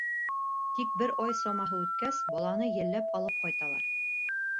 Тик бер ай самаһы үткәс, баланы йәлләп алып ҡайталар.